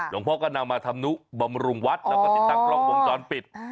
หลวงพ่อก็นำมาทำนุบำรุงวัดแล้วก็ติดตั้งกล้องวงจรปิด